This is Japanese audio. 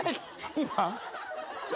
今？